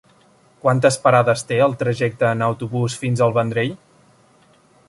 Quantes parades té el trajecte en autobús fins al Vendrell?